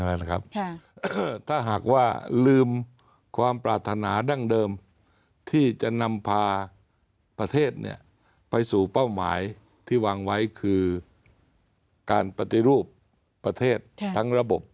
ถ้าหากว่าลืมความปรารถนาดั้งเดิมที่จะนำพาประเทศเนี่ยไปสู่เป้าหมายที่วางไว้คือการปฏิรูปประเทศทั้งระบบ